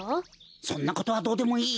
そんなことはどうでもいい！